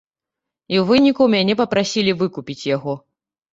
І ў выніку мяне папрасілі выкупіць яго.